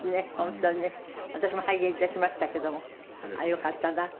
私も拝見致しましたけどもよかったな。